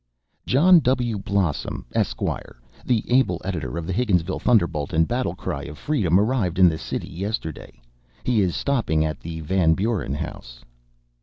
John W. Blossom, Esq., the able editor of the Higginsville Thunderbolt and Battle Cry of Freedom, arrived in the city yesterday. He is stopping at the Van Buren House.